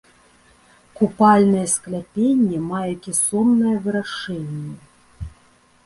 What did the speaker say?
Купальнае скляпенне мае кесоннае вырашэнне.